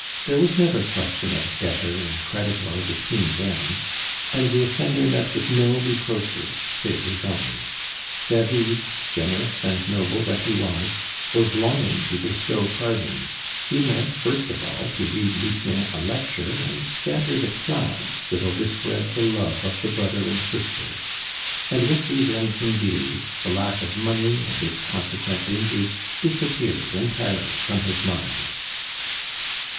There was never question of debtor and creditor between them, and the offender met with no reproaches save his own. David, generous and noble that he was, was longing to bestow pardon; he meant first of all to read Lucien a lecture, and scatter the clouds that overspread the love of the brother and sister; and with these ends in view, the lack of money and its consequent dangers disappeared entirely from his mind.